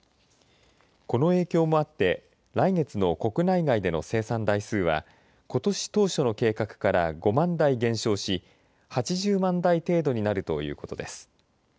この影響もあって来月の国内外での生産台数はことし当初の計画から５万台減少し８０万台程度になるということです。